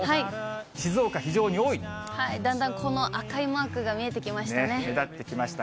静岡、だんだんこの赤いマークが見目立ってきました。